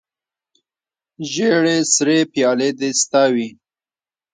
ژړې سرې پیالې دې ستا وي